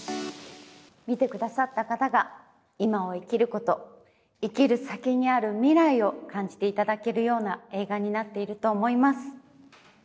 見てくださった方が、今を生きること、生きる先にある未来を感じていただけるような映画になっていると思います。